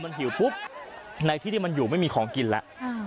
หิวปุ๊บในที่ที่มันอยู่ไม่มีของกินแล้ว